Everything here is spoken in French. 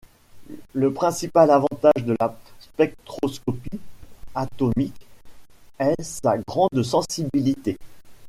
Le principal avantage de la spectroscopie atomique est sa grande sensibilité.